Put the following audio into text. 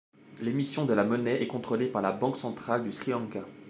L'émission de la monnaie est contrôlée par la Banque centrale du Sri Lanka.